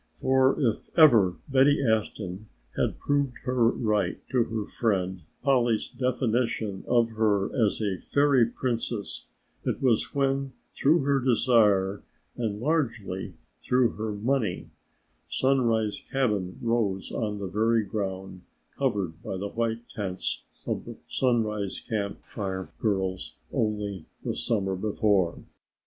For if ever Betty Ashton had proved her right to her friend Polly's definition of her as a "Fairy Princess," it was when through her desire and largely through her money, Sunrise cabin rose on the very ground covered by the white tents of the Sunrise Camp Fire girls only the summer before.